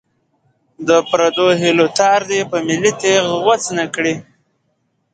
د پردو هیلو تار دې په ملي تېغ غوڅ نه کړي.